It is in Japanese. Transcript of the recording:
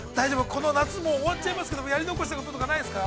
この夏もう終わっちゃいますけども、やり残したこととかないですか。